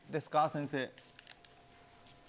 先生。